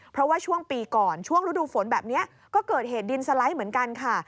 เพราะว่าช่วงปีก่อนช่วงฤดูฝนแบบนี้ก็เกิดเหตุดินสไลด์เหมือนกันค่ะ